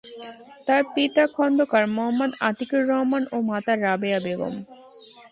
তার পিতা খন্দকার মোহাম্মদ আতিকুর রহমান ও মাতা রাবেয়া বেগম।